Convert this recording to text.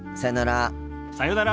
さようなら。